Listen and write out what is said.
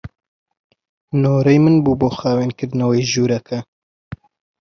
نۆرەی من بوو بۆ خاوێنکردنەوەی ژوورەکە.